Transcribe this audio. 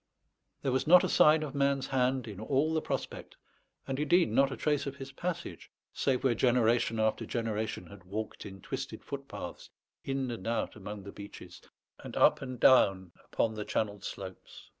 There was not a sign of man's hand in all the prospect; and indeed not a trace of his passage, save where generation after generation had walked in twisted footpaths, in and out among the beeches, and up and down upon the channeled slopes.